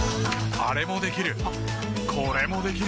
あれもできるこれもできる。